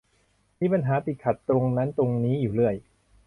มีปัญหาติดขัดตรงนั้นตรงนี้อยู่เรื่อย